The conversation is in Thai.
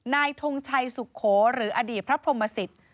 ทงชัยสุโขหรืออดีตพระพรหมสิต